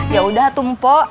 ya udah tung pok